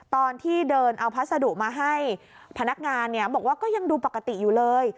ตอนที่เดินเอาพัสดุมาให้พนักงานเนี่ยบอกว่าก็ยังดูปกติอยู่เลย